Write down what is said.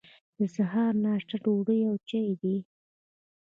د سهار ناشته ډوډۍ او چای دی.